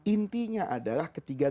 intinya adalah ketika